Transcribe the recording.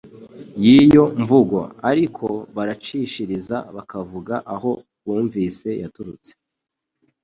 y'iyo mvugo ariko baracishiriza bakavuga aho bumvise yaturutse.